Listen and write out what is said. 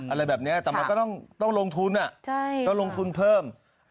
อะไรแบบนี้แต่มันก็ต้องลงทุนเพิ่ม